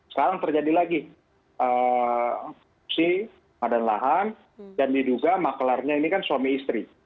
sekarang terjadi lagi korupsi pengadaan lahan dan diduga maklarnya ini kan suami istri